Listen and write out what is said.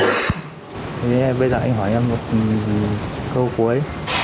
thế bây giờ anh hỏi em một câu cuối